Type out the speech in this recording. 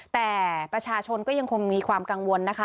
แต่ประชาชนก็ยังคงมีความกังวลนะคะ